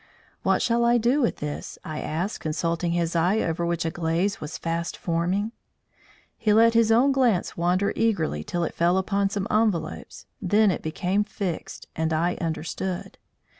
"What shall I do with this?" I asked, consulting his eye over which a glaze was fast forming. He let his own glance wander eagerly till it fell upon some envelopes, then it became fixed, and I understood.